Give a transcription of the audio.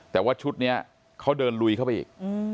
แต่ว่าชุดนี้เขาเดินลุยเข้าไปอีก